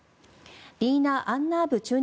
リーナ・アンナーブ駐日